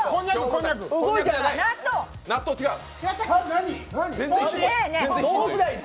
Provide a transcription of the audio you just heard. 納豆違う。